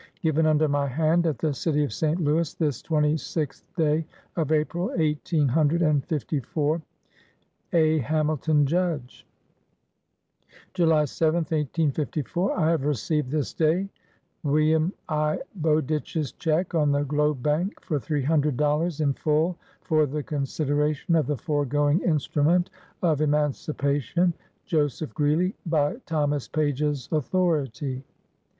" Given under my hand, at the city of St. Louis, this 26th day of April, eighteen hundred and fifty four. " A. HAMILTON, Judge" u July 7th, 1854. I have received this day Wm. I. Bowditch's check on the Globe Bank for three hundred dollars, in full for the consideration of the foregoing instrument of emancipation. "JOSEPH GREELY, V By Thomas Page's authority."